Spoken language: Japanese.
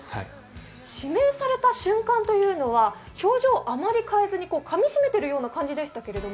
指名された瞬間というのは表情をあまり変えずにかみしめているような感じでしたけど。